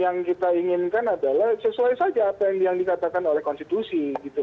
yang kita inginkan adalah sesuai saja apa yang dikatakan oleh konstitusi